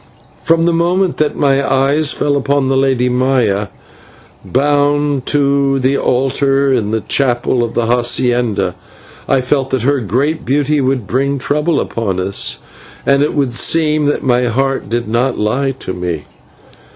From the moment that my eyes fell upon the Lady Maya bound to the altar in the chapel of the /hacienda/, I felt that her great beauty would bring trouble upon us, and it would seem that my heart did not lie to me.